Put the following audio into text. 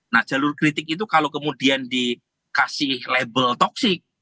nah jalur kritik itu kalau kemudian dikasih label toksik